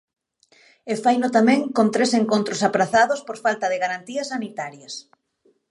E faino tamén con tres encontros aprazados por falta de garantías sanitarias.